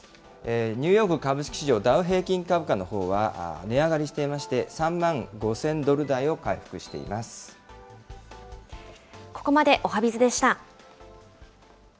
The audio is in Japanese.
ニューヨーク株式市場、ダウ平均株価のほうは、値上がりしていまして、３万５０００ドル台を回復しています。